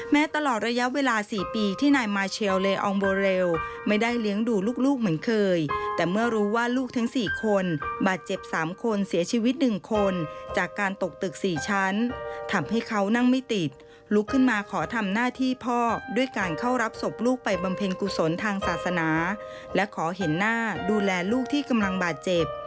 ตลอดระยะเวลา๔ปีที่นายมาเชลเลอองโบเรลไม่ได้เลี้ยงดูลูกเหมือนเคยแต่เมื่อรู้ว่าลูกทั้ง๔คนบาดเจ็บ๓คนเสียชีวิต๑คนจากการตกตึก๔ชั้นทำให้เขานั่งไม่ติดลุกขึ้นมาขอทำหน้าที่พ่อด้วยการเข้ารับศพลูกไปบำเพ็ญกุศลทางศาสนาและขอเห็นหน้าดูแลลูกที่กำลังบาดเจ็บ